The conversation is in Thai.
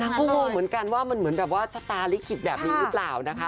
ก็งงเหมือนกันว่ามันเหมือนแบบว่าชะตาลิขิตแบบนี้หรือเปล่านะคะ